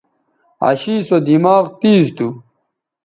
عاشی سو دماغ تیز تھو